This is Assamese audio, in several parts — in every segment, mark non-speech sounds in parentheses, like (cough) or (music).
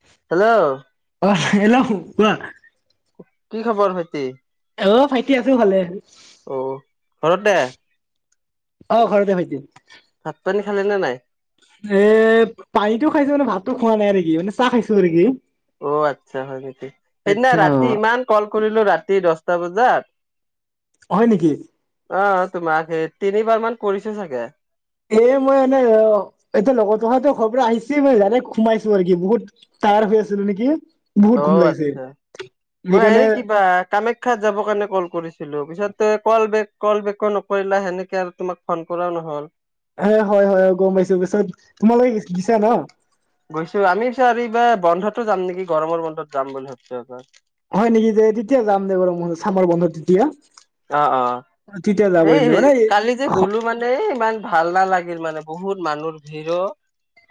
হেল্ল'? অ হেল্ল'? কোৱা। কি খবৰ ভাইটি? অ' ভাইটি আছোঁ ভালে। অ' ঘৰতে? অ' ঘৰতে ভাইটি। ভাত-পানী খালে নে নাই? এ পানীটো খাইছোঁ মানে, ভাতটো খোৱা নাই আৰু কি। মানে চাহ খাইছোঁ আৰু কি। অ' আচ্ছা, হয় নেকি? সেইদিনা ৰাতি ইমান ক'ল কৰিলোঁ ৰাতি দহটা বজাত। হয় নেকি অ' তোমাক সেই তিনিবাৰ মান কৰিছোঁ চাগে। এ মই এনে অ'- এতিয়া লগৰটোহাতৰ ঘৰৰ পৰা আহিছি মই ডাইৰেক্ট সোমাইছোঁ আৰু কি। বহুত তাৰ (unintelligible) নেকি? বহুত ঘুম অ' লাগিছে আচ্ছা। মই সেইকাৰণে হেৰি কিবা কামাখ্যাত যাব কাৰণে ক'ল কৰিছিলোঁ। পিছত তে কল বেক - কল বেকো নকৰিলা সেনেকে। আৰু তোমাক ফোন কৰাও নহ'ল। এ হয় - হয় - হয়। গম পাইছোঁ। পিছত তোমালোকে গে- গিছা না? গৈছোঁ। আমি পিছত আৰু এইবাৰ বন্ধতো যাম নেকি? গৰমৰ বন্ধত যাম বুলি ভাবছোঁ এবাৰ। হয় নেকি? যে তেতিয়া যাম দে বাৰু মই, ছামৰ বন্ধত তেতিয়া। অ' - অ'। তেতিয়া যাব সেই পাৰিম দে মানে হে- কালি যে গ'লো মানে ইমান ভাল নালাগিল, মানে বহুত মানুহৰ ভিৰো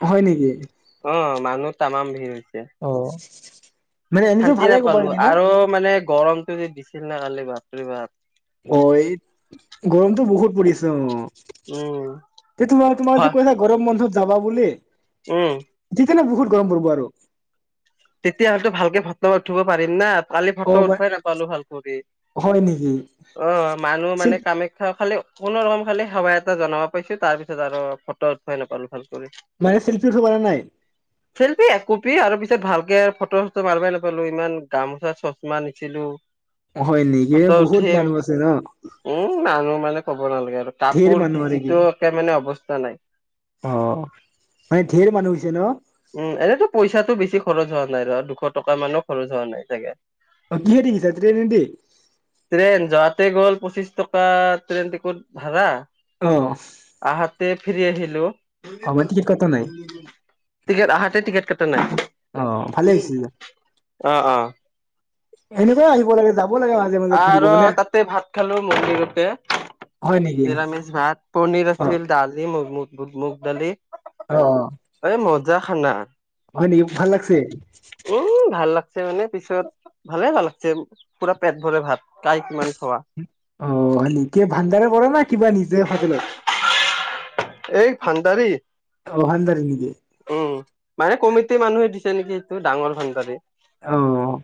হয় নেকি? তামাম ভিৰ। অ'। মানে এনেতো শান্তি ভালে ক'ব পাৰি নাপালোঁ। ন আৰু মানে গৰমটো যে দিছিল না কালি, বাপৰে বাপ। অ' এই গৰমটো বহুত পৰিছে অ'। উম তে তোমাৰ - তোমাৰ যে হয় কৈছা, গৰম বন্ধত যাবা বুলি উম। এনে বহুত গৰম পৰিব আৰু। তেতিয়া হয়তো ভালকে ফটো উঠিব পাৰিম না? কালি অ ফটো ম উঠবাই নাপালোঁ ভাল কৰি। হয় নেকি অ' মানুহ মানে চিল্প কামাখ্যা খালি কোনো ৰকম খালি সেৱা এটা জনাব পাইছোঁ। তাৰ পিছত আৰু ফটো উঠবাই নাপালোঁ ভাল কৰি। মানে ছেল্ফি উঠিব পাৰা নাই? শিল্পী এক কোপি আৰু পিছত ভাল। ফটো চটো মাৰিবই নাপালো। ইমান গামোচা চচমা নিছিলো। হয় নেকি ফটো বহুত উঠিম। মানুহ আছে ন উম মানুহ মানে ক'ব নালাগে আৰু ধেৰ কাপোৰ মানুহ ভিজি আৰু কি একে মানে অৱস্থা নাই। অ মানে ধেৰ মানুহ হৈছে ন উম এনেতো পইচাটো বেছি। খৰচ হোৱা নাই ৰ দুশ টকা মানো খৰচ হোৱা নাই চাগে। অ কিহেদি গৈছা ট্ৰেইনেদি ট্ৰেন যোৱাতে গ'ল। পঁচিছ টকা ট্ৰেইন টিকট ভাড়া। আহ ফৰি আহিলো কটা নাই আহাতে টিকেট কটা নাই। অ ভালে উ হৈছে আহ আহ। এনেকুৱাই আহিব লাগে যাব লাগে মাজে মাজে ঘূৰিব আৰু মানে তাতে ভাত খালো মন্দিৰতে। হয় নেকি নিৰামিষ ভাত পণিৰ অ আছিল দালি দি মগ মগ মোগ দালি। অ' এই মজা খানা। হয় নেকি ভাল লাগছে। উম ভাল লাগছে মানে পিছত ভালে ভাল লাগছে মপোৰা পেট ভৰে ভাত খাই কিমান খোৱা অহ নকিয় ভাণ্ডাৰে পৰে নে কিবা নিজে হোটেলত এই ভাণ্ডাৰী অহ ভাণ্ডাৰী নেকি? কমিতে মানুহে দিছে নেকি সেইটো ডাঙৰ ফানডদেধ আহ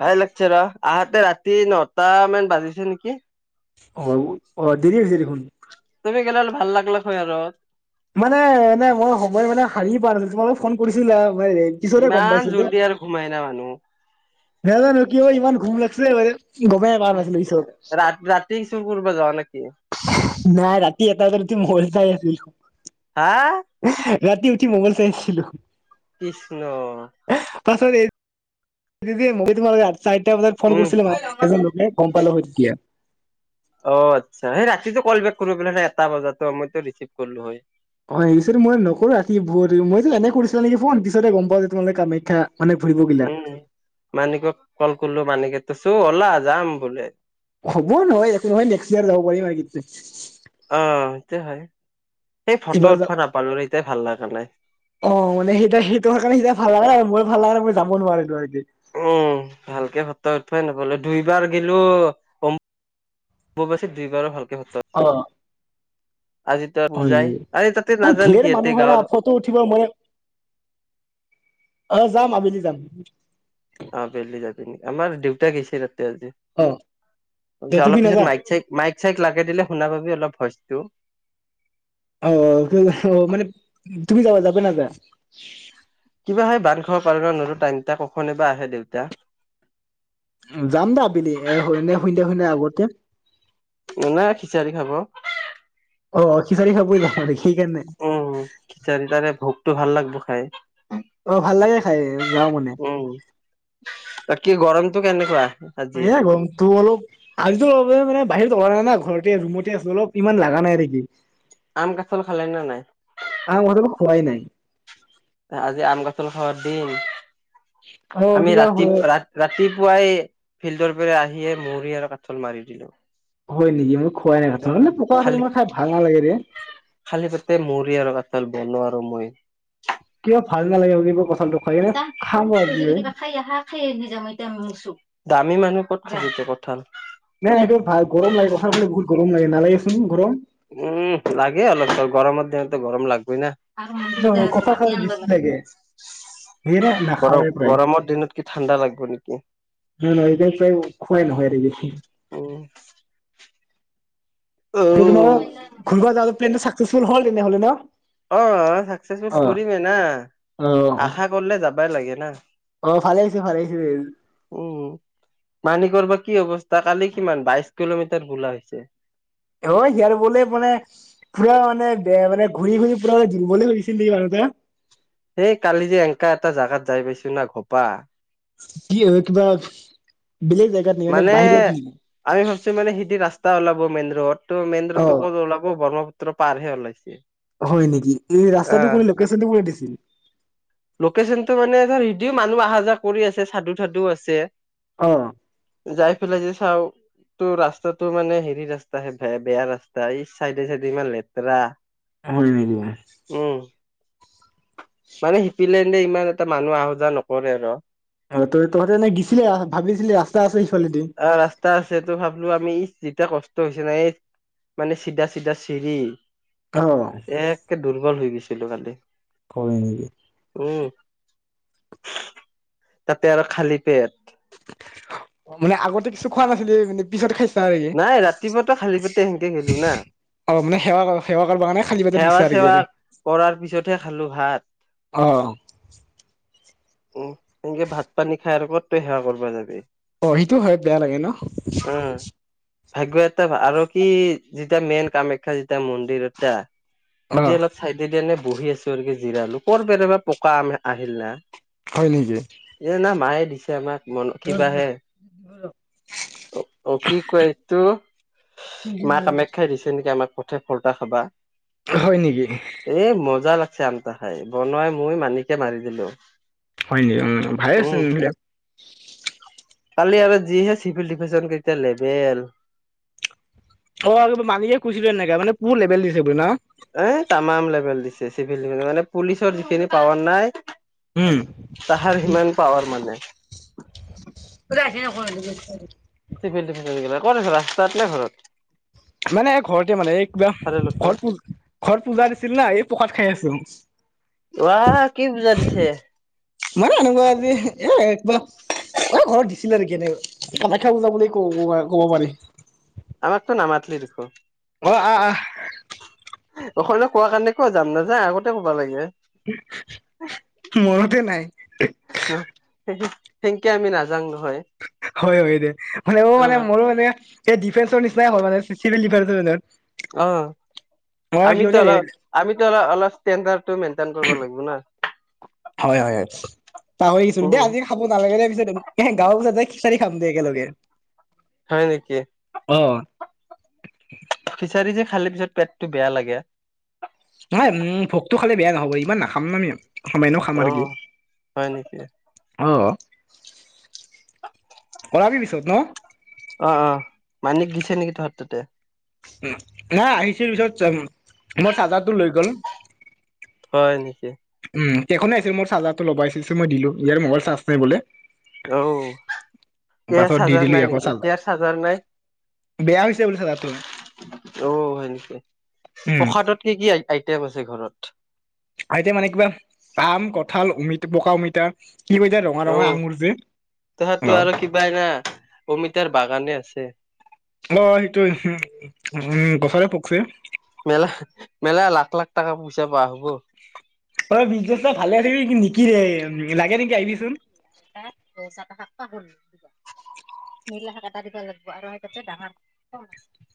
ভয় লাগিছে ৰা আহাতে ৰাতি নট মান বাজিছে নেকি! অ' অ' দেৰি আছে দে দেখোন। চবে গ'লেলে ভাল লাগলা হয আৰু মানে নাই মই সময় মানে হাৰি পোৱা নাছিলো। তোমালপ ফোন কৰিছিলা। পুৱাই পিছতে গম পাইছ ইমান যে। জল্দি আৰু ঘুমাই না মানুহ নাজানো কি ইমান গৰম লাগিছিলে বে। গোমে বাৰ ন আাছিলো পিছত ৰা (unintelligible) (unintelligible) ৰাতি চুৰ কৰিব যাৱ নেকি নাই ৰাতি এটা বজাত উঠি মই চাই আছিলো। হা ৰাতি উঠি মোবাইল চাই আহিছিলো। কৃষ্ণ পাছ এই যে যে মই তোম গা চাৰিটা বজাত ফোন উম কৰিছিলো। এজন লোকে গম পালো হয় তেতিয়া। অ' আচ্ছা সেই ৰাতিটো কল বেক কৰিব। এটা বজাতো মইো ৰিচিভ কৰিলো হয়। হয় এক্সলি মই নকৰো। ৰাতি বহুত মইতো এনে কৰিছিলা নেকি ফোন পিছতে গম পাওঁ যে তোমালোক কামাখ্যা মানে ঘুৰিব গিলা উম মানিক কল কৰিলো। মানিকেতো চো হ'লা যাম বোলে হ'ব নহয় একো নহয় নেক্সট ইয়াৰ যাব পাৰিম। অ' (inaudible) সেটোয় হয় সেই ফটো এইবাৰ উঠোৱা নাপালো এতিয়াই ভাল নালাগে। অ' মানে সেই সেইটো কাৰণে সেইয়াভাল আৰু মই ভাল আৰু মই যাব নোৱাৰি উম ভালকে ফটোহ উঠুৱাই নাপালো। দুইবাৰ গিলো উপবাসী দুইবাৰো ভালকে পাতে। অ আজি তই হয় নেকি বুজাই আৰে তাতে মানে নাজান ধেৰ নেকি মানুহ ইয়াতে হয় না গাঁৱৰ। (unintelligible) ফটো উঠিব মৰে আহ যাম আবেলি যাম। অ' আবেলি যাবি আমাৰ দেউতা গৈছে। এতিয়া অ দে যদি তুমি অলপ পিছত নাযা মাইক চাইক মাইক চাইক লাগে দিলে শুনা পাবি। অলপ ভ টো (inaudible) অহ অহ মানে তুমি যাবা যাব নাযা কিবা হয় বান্ধ খাব পাৰ নলো টংা কখনে বাা আহে দেউতা (unintelligible) যাম দে আবেলি এ এনে সন্ধিয়া সন্ধিয়া আগতে, নাই খিচাৰি খাব অ খিচাৰি খাব যাম আৰু দেঅ উম খিচাৰি তাৰে ভোকটো ভাল লাগব খাই অ ভাল লাগে খাই যাওঁ মানে কি গৰমতটো কেনেকুৱা? আজি সে গমৰ তো অলপ আজিতো মানে বাহিৰত উলোৱা নাই ঘৰতে ৰুমতে আছো অলপ ইমান লাগা নাই নেকি, আম কেই ফাল খালে নে নাই? আহ অলপ খোৱাই নাই আজি আম কঁঠাল খাৱাৰ দিন। অ আমি কিবা ৰাতি হয় ৰাতিপুৱাই ফিল্ডৰ পৰা আহিয়ে মড়ি আৰু কাচ কল মাৰি দিলো হয় নেকি মই খুৱাই নাই অ কঠাল মানে পকা খালি কঠাল খাই ভাল নালাগে দে‌ ফাল বনো আৰু মই। কিয় ভাল নালাগে কিবা কঁঠালটো খাই কিনে আছা খাম ৰ ত আজি যদি কিবা খাই আহ হা খাই নিজামেইদাম দামী মানুহ কত খাবিজে কঠাল। নালাগে চোন ঘৰত। উম লাগে অলপ গৰমৰ দিনতো গৰম লাগবই ন। আৰু মন্দিৰতে নহয়, আছো কঁঠাল ম খালে ই ল বেছি লাগে সেয়ে লাগে। গৰম নাখাওৱে প্ৰায় গৰমৰ দিনত কি ঠাণ্ডা লাগিব নেকি। ন নাই এইটো খুৱাই নহয়। আৰু বেছি অ তোমাৰ ঘূৰিব যোৱা প্লেনটো চাকচেচফুল হ'ল তেনেহ'লে ন। অ চাকচেচফুল অ কৰিমে না অ আশা কৰিলে যাবাই লাগে না অ ভালে হৈছে ভালে হৈছে উ মানিকৰ বা কি অৱস্থা। ত কালি কিমান বাইশ কিলোমিটাৰ বোলা হৈছে। হয় জাৰ ব'লে মানে পুৰা মানে বেয়া মানে ঘূৰি ঘূৰি পুৰা জৰিবলৈ খুজিছিল নেকি বাৰু এটা। কালি যে এনেকা এটা জাগাত যাই পাইছো না ঘোপা কি হয় কিবা। বেলেগ জেগাত নেকি মানে বাহিৰত নেকি আমি ভাবছো মানে সিতি ৰাস্তা ওলাব মেইন ৰোড। তটো মেইন অ ৰোডতটো ক'ত ওলাব ব্ৰহ্মপুত্ৰ পাৰ হে ওলাইছে হয় নেকি এই ৰাস্তাটো কো লোকেশ্যন টো কোনে দিছিল? লোকেশচনতটো মানে ধৰ সদিও মানুহ অহা যোৱা কৰি আছে চাধু চাদু আছে অ যাই পেলাই যে চাওঁ তটো ৰাস্তাটো মানে হেৰি ৰাস্তা বেয়া বেয়া ৰাস্তা ই চাইডে চাইডে ইমান লেতেৰা হয় নিদিব। উম মানে শিপিলে ইমান এটা মানুহ আহা যোৱা নকৰে ন। অ তই তহঁতেনে গ দিছিলে ভাবিছিলি ৰাস্তা আছে। সিফালেদি অ ৰাস্তা আছে তো ভাবলো আমি যেতিয়া কষ্ট হৈছে ন এই মানে চিধা চিধা চিৰি অ একে দুৰ্বল হৈ গৈছিলো কালি। উম। উম তাতে আৰু খালী পেট অ মানে আগতে কিছু খোৱা নাছিলে মানে পিছত খাইছ। নাই ৰাতিপুৱা তো খালী পেতে সেনেকে গেলো না। অ মানে সেৱা সেৱা কৰিব কাৰণে খালী পেটত সেৱা গেছা আৰু কি চেৱা কৰাৰ পিছতহে খালো ভাত অ উ সেনেকে ভাত পানী খাই আ কত তই সেৱা কৰিবা যাবি অ সেইটো হয় বেয়া লাগে ন। উম, ভাগ্য এটা আৰু কি যেতিয়া মেইন কামাখ্যা যেতিয়া মন্দিৰ এটা অ এতিয়া অলপ চাইদিনে বহি আছো আৰু জিৰালো কৰ' বাৰ বা পকা আম আহিল না হয় নেকি এ নাই মায়ে দিছে আমাক মন কিবাহে অ অ কি কি কয় এইটো মা কামাখ্যাই দিছে নেকি আমাক পথে ফৰটা খাবা। হয় নেকি এ মজা লাগ চামতাহাই বনোৱাই মই মানিকে মাৰি দিলো হয় নেকি উম ভালে আছে। কালি আৰু যিহে চিভিল ডিফেঞ্চন কেইতা লেবেল অ মালিকে কৈছিলো এনেকে মানে পোৰ লেভেল দিছে বুলি ন এ তামাম লেভেল দিছে চিভিল লেল মানে পুলিচৰ যিখিনি পাৱাৰ নাই উম তাহাৰ সিমান পাৱাৰ মানে ভিব (unintelligible) চিভিল ড্ৰেছ গলে কত আছ ৰাস্তাত নাই ঘৰত? মানে এই ঘৰতে মানে এই কিবা চাৰিআলিত ঘৰত প ঘৰত পূজা দিছিল না এই প্ৰসাদ খাই আছো। আহৱ কি পূজা দিছে? মানে এনেকোৱা আজি এ একবাৰ ঘৰত দিছিলে নেকি এনেকখা বুজাব কওঁ ক'ব পাৰি। আমাক তো নামাতিলি দেখোন। অ আহ আহ অসমীয়া কোৱা কাৰণে কিয় যাম নাযাও আগতে ক'বা লাগে মনতে নাই ন। সেনকে আমি নাযাঙ নহয়। হয় হয় দে মানে অ মানে মোৰো মানে এই ডিফেন্সৰ নিচিনাই হল মানে চিভিল ডিপাৰ্টমেণ্ট। অ আমিতো অলপ আমিতো অলপ অলপ ষ্টেণ্ডাৰ্ডটো মেইনটেইন কৰিব লাগিব ন। হয় হয় পাহৰিছো দেই উম আজি খাব নালাগে দে পিছে গাঁও পূজা বিচাৰি খাম দে একেলগে। হয় নেকি অ ফিচাৰী যে। খালে পিছত পেটতো বেয়া লাগে। ভাই উম ভোকটো খালে বেয়া নহব ইমান নাখাম আমি সমাইন অ খামাৰ কি হয় নেকি অহ অলাবি পিছত ন অ অ মানিক দিছে নেকি তহঁত তাত? উম নাই আহিছিল পিছত মোৰ চাৰ্জাৰটো লৈ গল। হয় নেকি? উম এখনে আছিল মোৰ চাৰ্জাৰটো ল'ব আহিছিল মই দিলো ইয়াৰ মোবাইল চাৰ্জ নাই বোলে। অও! হেয়াৰ পাছত দি চাৰ্জাৰ দিলো নাই ইয়াকো নেকি হেয়াৰ চাৰ্জাৰ নাই? বেয়া হৈছে বোলে চাৰ্জাৰটো অ সেনেকে উম প্ৰসাদত কি কি আইটেম আছে ঘৰত? আইটেম মানে কিবা আম, কঁঠাল, অমিতা, পকা অমিতা কি কয় যে ৰঙা ৰঙা আঙুৰ যে। তহাতো অ আৰু কিবা ন অমিতাৰ বাগানে আছে। অ সেইটো উম গছৰে পকছে মেলা মেলা লাখ লাখ টকা পইচা পোৱা হ'ব। অ বিছনেজটো ভালে আছিল কিন্তু কি উম লাগে নেকি আহিবিচোন তাতজাটা সাকাহ হ'ল কিবা (unintelligible) (unintelligible) নীলাখ কটা দিব লাগিব আৰু সেই পছে ডাঙৰ ক আ (unintelligible)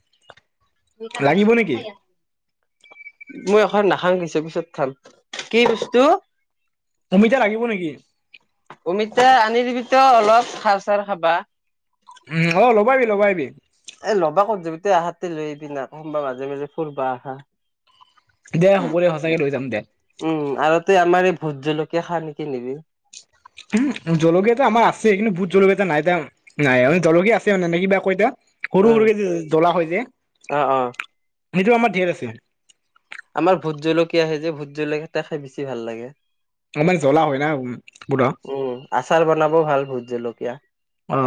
লাগিব নেকি (unintelligible) মই এখন নাখাং কৈছো পিছত খাম কি বস্তু? অমিতা লাগিব নেকি অমিতা আনি দিবি ত' অলপ সাৰ চাৰ খাবা। উম, অহ ল'ব আহিবি - ল'ব আহিবি। এ ল'বা ক'ত যাবি তই আহাতে লৈ আহিবি না কোনবা মাজে- মাজে ফুুৰবা আহা। দে হ'ব দে সঁচাকে লৈ যাম দে। উম, আৰু তেই আমাৰ এই ভোট জলকীয়া খানে কি নিবি। উম, জলকীয়া এটো আমাৰ আছে কিন্তু ভূত জলকীয়া নাই দেই জলকীয়া আছে মানে নে কিবা কৈতা সৰু অ -সৰুকে যে জ্বলা হৈ যায় অ অ। সেইটো আমাৰ ধেৰ আছে। আমাৰ ভোট জলকীয়া আহ যে ভোট জলকীয়া হেতা খাই বেছি ভাল লাগে। আমাৰ জ্বলা হয় না পুৰা (inaudible) উম, আচাৰ বনাব ভাল ভোট জলকীয়া। অহ,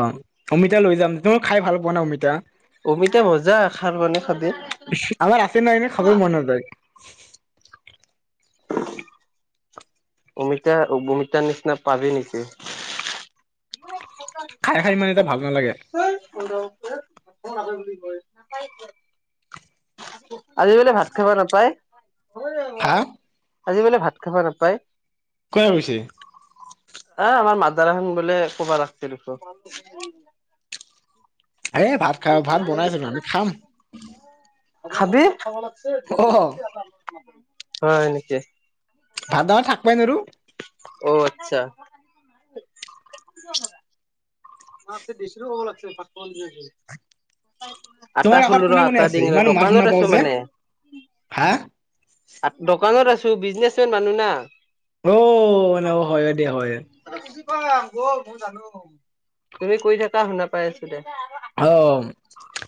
অমিতা লৈ যাম তই খাই ভাল পোৱা না অমিতা? অমিতা ভজা খাৰ বনাই খাবি। (inaudible) আমাৰ আছে নাই ন' এনে খাবই মন নাযায়। (inaudible) (inaudible) অমিতা বহুততাৰ নিচিনা পাবি নেকি? খাই- খাই মানে এতিয়া ভাল নালাগে। (unintelligible) আজি বোলে ভাত খাব নাপায়? হা? আজি বুলে ভাত খাব নাপায়? কোনে কৈছি? আহ আমাৰ মাদাৰ আহন বুলে কবা ৰাখছিল এ ভাত খাই ভাত বনাইছিলো আমি খাম। খাবি, অ হয় নেকি? ভাত দাৰা থাক পাই নৰো। অহ, আচ্ছা। (unintelligible) আটা তোমাৰ কাষত খোলো কোনে ৰ' কোনে আটা আছে দিঙ ৰ ইমান মাত শুনা 'দোকানত পাও আছো যে মানে। হা? দোকানত আছো বিজনেচমেন মানুহ না। ঔ, এনে কোৱা হৈয়ে দিয়া হয়ে। (unintelligible) তুমি কৈ থাকা শুনা পাই আছো দে। অহ,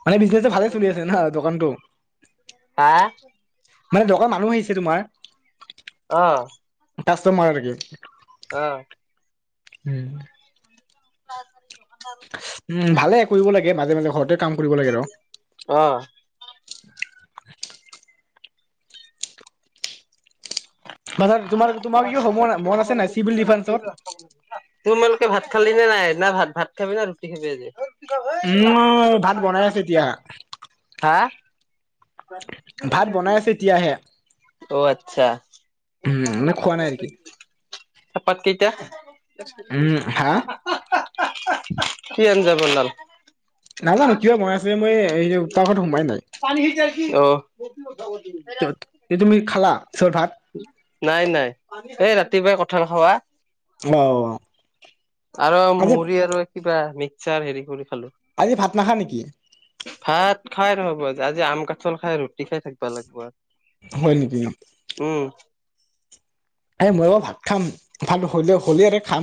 মানে বিজনেচটো ভালে চলি আছে না দোকানটো? হা? মানে দকান মানুহ আহিছে তোমাৰ? অ কাষ্টমাৰ নেকি? আহ উম। (unintelligible) উম, ভালে কৰিব লাগে মাজে -মাজে ঘৰতে কাম কৰিব লাগে ৰ অ পাছত (unintelligible) তোমাৰ তোমাৰ কিবা হ'ব মন আছে নাই চিভিল ডিফেন্সত (unintelligible) না ভাত -ভাত খাবি না ৰুটি খাবি আজি? উম ভাত বনাই আছে এতিয়া (unintelligible) হা ভাত বনাই আছে এতিয়াহে। অহ, আচ্ছা। উম, মানে খোৱা নাই নেকি? চাহপাত কেইটা উম হা (unintelligible) কি আঞ্জা (unintelligible) নাজানো কিয় বনাই আছে মই পাকঘৰত সোমাই অহ নাই (unintelligible) তুমি খালা পিছত ভাত নাই নাই এই ৰাতিপুৱাই কঠাল খোৱা অ আৰু আজি মুড়ি আৰু কিবা মিক্সাৰ হেৰি কৰি খালো আজি ভাত নাখা নেকি ভাত খাই নহ'ব আ আজি আম কাঠল খাই ৰুটি খাই থাকিবা লাগিব আৰু হয় নেকি? এ মই বৌ ভাত খাম ভাল হলে হলিৰে খাম